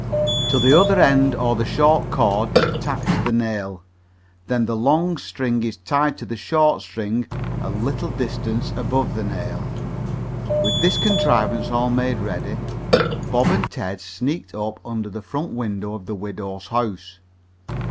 To the other end or the short cord is attached the nail. Then the long string is tied to the short string a little distance above the nail. With this contrivance all made ready Bob and Ted sneaked up under the front window of the widow's house.